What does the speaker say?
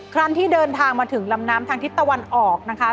ครั้งที่เดินทางมาถึงลำน้ำทางทิศตะวันออกนะคะ